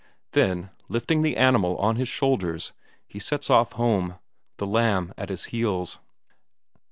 Then, lifting the animal on his shoulders, he sets off home, the lamb at his heels.